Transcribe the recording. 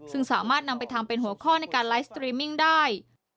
ซึ่งสามารถนำไปทำเป็นหัวข้อในการไลฟ์สตรีมมิ่งได้